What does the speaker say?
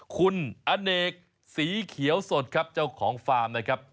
คุณอเนกสีเขียวสดครับเจ้าของฟาร์มนะครับ